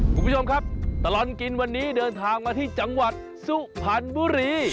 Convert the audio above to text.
คุณผู้ชมครับตลอดกินวันนี้เดินทางมาที่จังหวัดสุพรรณบุรี